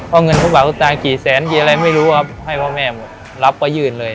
เพราะเงินทุกบาททุกสตางกี่แสนกี่อะไรไม่รู้ครับให้พ่อแม่รับก็ยื่นเลย